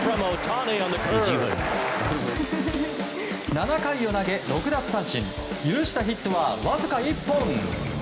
７回を投げ６奪三振許したヒットはわずか１本。